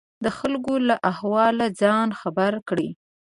د خلکو له احواله ځان خبر کړي.